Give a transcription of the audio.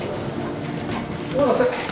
お待たせ。